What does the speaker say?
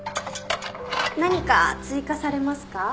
何か追加されますか？